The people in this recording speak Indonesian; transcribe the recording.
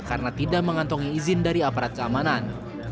karena tidak mengantongi izin dari aparat keamanan